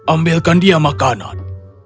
ambilkan dia makanan